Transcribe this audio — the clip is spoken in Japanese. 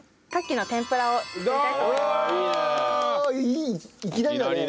いきなりだね。